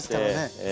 ええ。